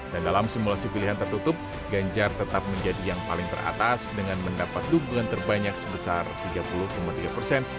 dan dalam simulasi pilihan tertutup ganjar tetap menjadi yang paling teratas dengan mendapat dukungan terbanyak sebesar tiga puluh tiga persen